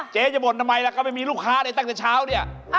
เจ๊จะบ่นทำไมล่ะก็ไม่มีลูกค้าเลยตั้งแต่เช้าเนี่ย